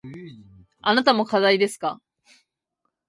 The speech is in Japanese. あなたも課題ですか。